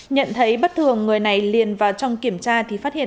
nhận thấy bất thường người này liền vào trong kiểm tra